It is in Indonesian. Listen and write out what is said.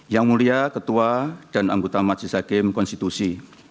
yang mulia ketua dan anggota majelis hakim konstitusi